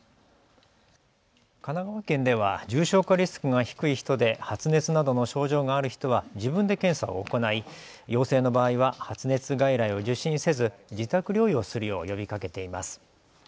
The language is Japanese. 神奈川県では重症化リスクが低い人で発熱などの症状がある人は自分で検査を行い陽性の場合は発熱外来を受診せず自宅療養するよう呼びかけています。